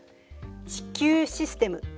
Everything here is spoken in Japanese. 地球システム。